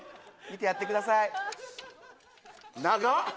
見てやってください長っ！